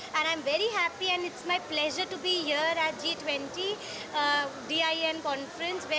saya sangat senang dan senang untuk berada di g dua puluh din conference